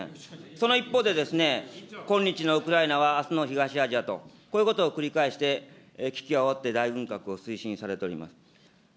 その一方でですね、今日のウクライナはあすの東アジアと、こういうことを繰り返して危機あおって大軍拡をしております。